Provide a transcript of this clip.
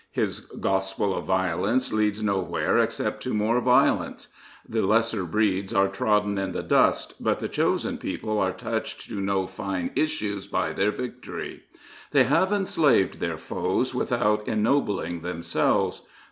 His gospel of violence leads nowhere except to more violence. The lesser breeds are trodden in the dust, but the Chosen People are touched to no fine issues by their victory. They have enslaved their foes without ennobling themselves.